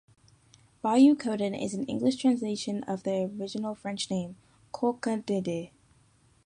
Bayou Coden is an English translation of the original French name, Coq d' Inde.